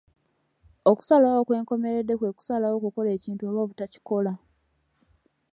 Okusalawo okw'enkomeredde kwe kusalawo okukola ekintu oba obutakikola.